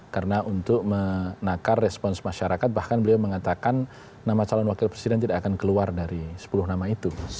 karena untuk menakar respons masyarakat bahkan beliau mengatakan nama calon wakil presiden tidak akan keluar dari sepuluh nama itu